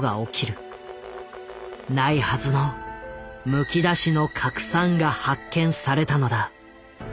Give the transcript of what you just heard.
ないはずの「むきだしの核酸」が発見されたのだ。